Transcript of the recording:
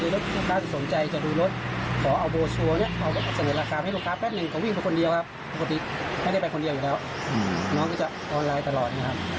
แล้วก็จะออนไลน์ตลอด